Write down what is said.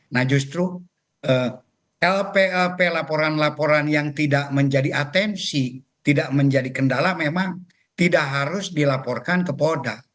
nah justru lplp laporan laporan yang tidak menjadi atensi tidak menjadi kendala memang tidak harus dilaporkan ke polda